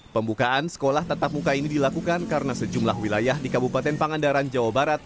pembukaan sekolah tatap muka ini dilakukan karena sejumlah wilayah di kabupaten pangandaran jawa barat